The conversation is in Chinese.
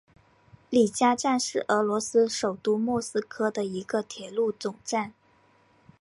里加站是俄罗斯首都莫斯科的一个铁路总站。